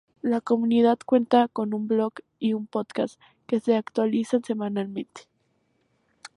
La comunidad cuenta con un blog y un podcast que se actualizan semanalmente.